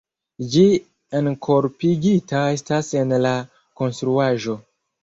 Ĝi enkorpigita estas en la konstruaĵo.